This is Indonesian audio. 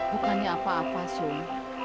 bukannya apa apa sumi